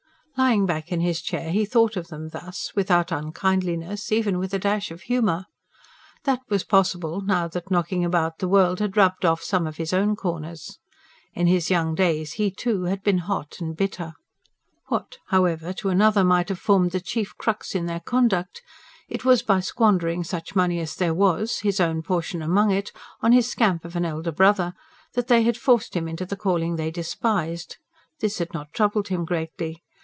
Lying back in his chair he thought of them thus, without unkindliness, even with a dash of humour. That was possible, now that knocking about the world had rubbed off some of his own corners. In his young days, he, too, had been hot and bitter. What, however, to another might have formed the chief crux in their conduct it was by squandering such money as there was, his own portion among it, on his scamp of an elder brother, that they had forced him into the calling they despised this had not troubled him greatly.